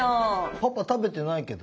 パパ食べてないけど？